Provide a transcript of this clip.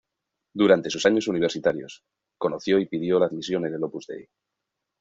Durante sus años universitarios, conoció y pidió la admisión en el Opus Dei.